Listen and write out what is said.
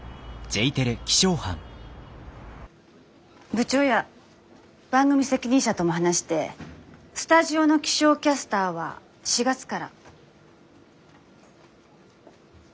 部長や番組責任者とも話してスタジオの気象キャスターは４月から。